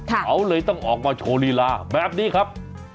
เขาเลยต้องออกมาโชว์ลีลาแบบนี้ครับ